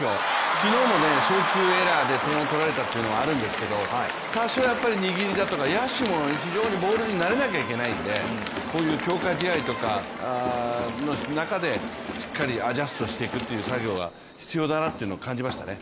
昨日も送球エラーで点を取られたっていうのはあるんですけど多少、握りだとか野手も非常にボールに慣れなきゃいけないのでこういう強化試合とかの中でしっかりアジャストしていく作業が必要だなって感じましたね。